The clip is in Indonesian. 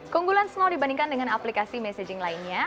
keunggulan small dibandingkan dengan aplikasi messaging lainnya